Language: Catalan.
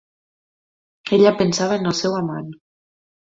Ella pensava en el seu amant.